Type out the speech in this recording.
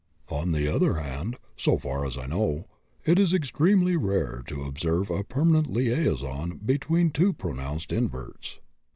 On the other hand, so far as I know, it is extremely rare to observe a permanent liaison between two pronounced inverts."